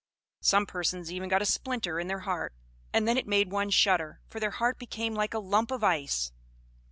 Some persons even got a splinter in their heart, and then it made one shudder, for their heart became like a lump of ice.